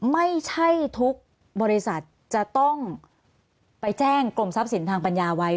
ไม่ใช่ทุกบริษัทจะต้องไปแจ้งกรมทรัพย์สินทางปัญญาไว้